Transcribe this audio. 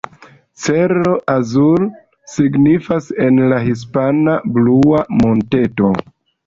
Cerro Azul signifas en la hispana "Blua Monteto".